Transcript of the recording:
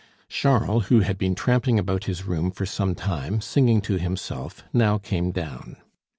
Charles, who had been tramping about his room for some time, singing to himself, now came down.